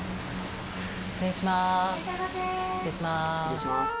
失礼します。